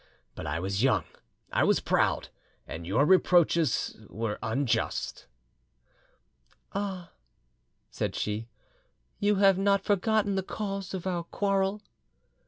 But I was young, I was proud, and your reproaches were unjust." "Ah," said she, "you have not forgotten the cause of our quarrel?"